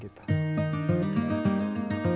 keindahan serta medianya